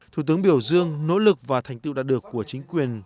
thủ tướng biểu dương nỗ lực và thành tựu đạt được của chính quyền